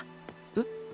えっ？